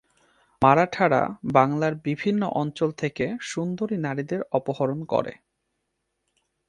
মারাঠারা বাংলার বিভিন্ন অঞ্চল থেকে সুন্দরী নারীদের অপহরণ করে।